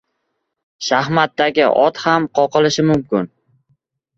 — Shaxmatdagi ot ham qoqilishi mumkin.